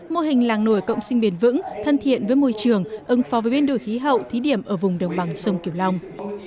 mô hình làng nổi cộng sinh bền vững thân thiện với môi trường ứng phó với biến đổi khí hậu thí điểm ở vùng đồng bằng sông kiểu long